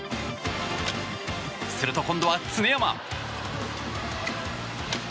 すると今度は常山。